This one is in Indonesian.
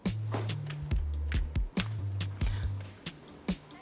subuh ke rumah ya